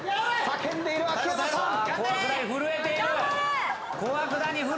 叫んでいる秋山さん。